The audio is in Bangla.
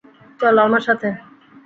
চলো আমার সাথে!